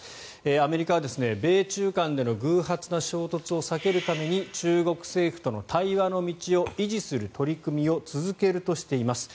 アメリカは米中間での偶発の衝突を避けるために中国政府との対話の道を維持する取り組みを続けるとしています。